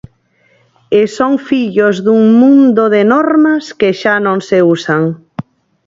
E son fillos dun mundo de normas que xa non se usan.